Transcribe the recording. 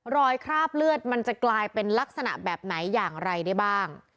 คราบเลือดมันจะกลายเป็นลักษณะแบบไหนอย่างไรได้บ้าง